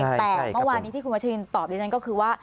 ใช่ใช่แต่เมื่อวานที่คุณวัชลินตอบเดือนนั้นก็คือว่า